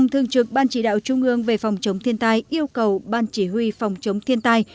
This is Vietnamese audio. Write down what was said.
thường trực ban chỉ đạo trung ương về phòng chống thiên tai yêu cầu ban chỉ huy phòng chống thiên tai